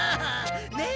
ねえ！